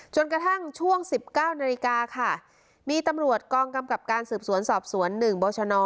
จนกระทั่งช่วง๑๙นาฬิกาค่ะมีตำรวจกองกำกับการสืบสวนสอบสวน๑บชน